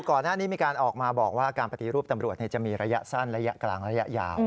ก่อนหน้านี้มีการออกมาบอกว่าการปฏิรูปตำรวจจะมีระยะสั้นระยะกลางระยะยาว